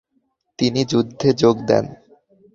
তিনি যুদ্ধে যোগ দেন।